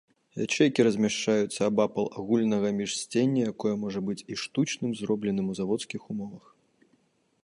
Ячэйкі размяшчаюцца абапал агульнага міжсцення, якое можа быць і штучным, зробленым у заводскіх умовах.